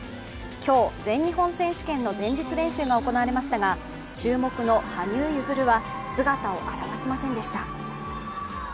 今日、全日本選手権の前日練習が行われましたが注目の羽生結弦は姿を現しませんでした。